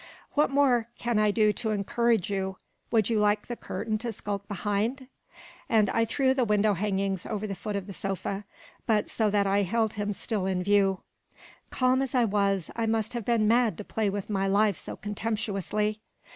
"What more can I do to encourage you? Would you like the curtain to skulk behind?" And I threw the window hangings over the foot of the sofa, but so that I held him still in view. Calm as I was, I must have been mad to play with my life so contemptuously.